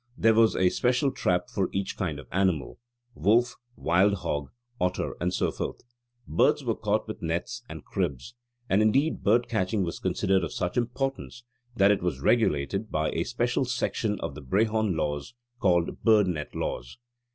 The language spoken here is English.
There was a special trap for each kind of animal wolf, wild hog, otter, and so forth. Birds were caught with nets and cribs: and indeed bird catching was considered of such importance, that it was regulated by a special section of the Brehon Laws called 'Bird net laws.